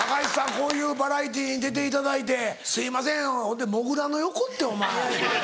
こういうバラエティーに出ていただいてすいませんほいでもぐらの横ってお前。